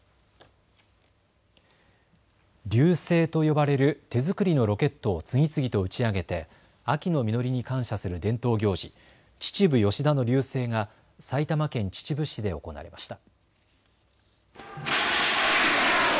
龍勢と呼ばれる手作りのロケットを次々と打ち上げて秋の実りに感謝する伝統行事、秩父吉田の龍勢が埼玉県秩父市で行われました。